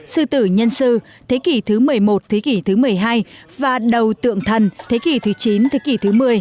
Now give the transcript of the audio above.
sư tử nhân sư thế kỷ thứ một mươi một thế kỷ thứ một mươi hai và đầu tượng thần thế kỷ thứ chín thế kỷ thứ một mươi